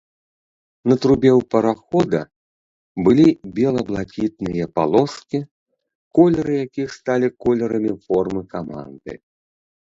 На трубе ў парахода былі бела-блакітныя палоскі, колеры якіх сталі колерамі формы каманды.